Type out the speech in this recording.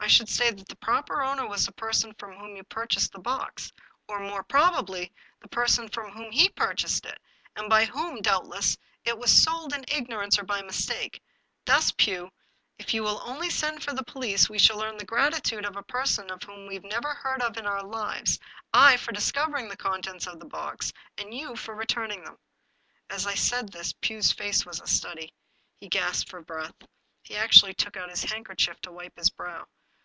I should say that the proper owner was the person from whom you pur chased the box, or, more probably, the person from whom he purchased it, and by whom, doubtless, it was sold in ignorance, or by mistake. Thus, Pugh, if you will only send for the police, we shall earn the gratitude of a person of whom we never heard in our lives — I for discovering the contents of the box, and you for returning them." As I said this, Pugh's face was a study. He gasped for breath. He actually took out his handkerchief to wipe his brow.